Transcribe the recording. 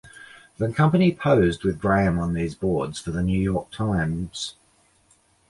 The company posed with Graham on these boards for the New York Times.